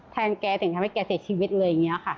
แทนแกสิ่งที่ทำให้แกเสียชีวิตอะไรอย่างนี้ค่ะ